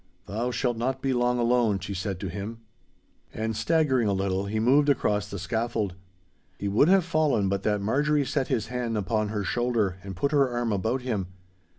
Thou shalt not be long alone,' she said to him. And, staggering a little, he moved across the scaffold. He would have fallen but that Marjorie set his hand upon her shoulder and put her arm about him.